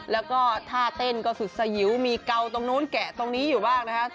แล้วก็ท่าเต้นก็สุดสยิวมีเกาตรงนู้นแกะตรงนี้อยู่บ้างนะคะ